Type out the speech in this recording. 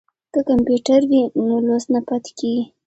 که کمپیوټر وي نو لوست نه پاتې کیږي.